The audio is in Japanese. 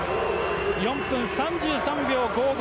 ４分３３秒５５。